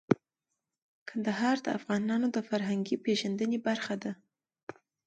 کندهار د افغانانو د فرهنګي پیژندنې برخه ده.